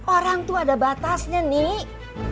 orang tuh ada batasnya nih